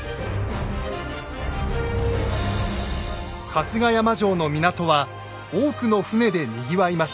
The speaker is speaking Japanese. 春日山城の港は多くの船でにぎわいました。